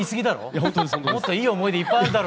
もっといい思い出いっぱいあるだろうよ。